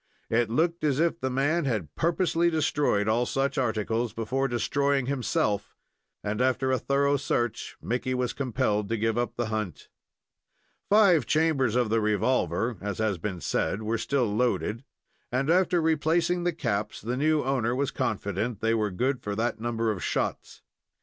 It looked as if the man had purposely destroyed all such articles before destroying himself, and, after a thorough search, Mickey was compelled to give up the hunt. Five chambers of the revolver, as has been said, were still loaded, and, after replacing the caps, the new owner was confident they were good for that number of shots.